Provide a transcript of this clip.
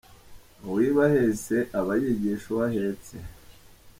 Uwiba ahetse abayigisha uwahetse.